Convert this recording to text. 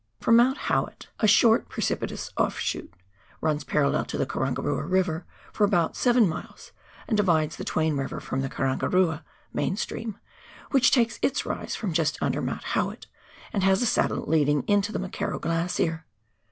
From Mount Howitt, a short pre KARANGARUA EIVER. 181 cipitous offshoot runs parallel to the Karangarua Range for about seven miles, and divides the Twain River from the Karangarua main stream, which takes its rise from just under Mount Howitt, and has a saddle leading into the McKerrow Glacier.